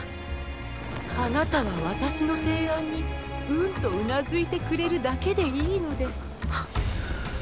あなたは私の提案にうんと頷いてくれるだけでいいのです！